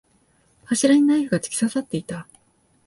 柱にナイフが突き刺さっていた。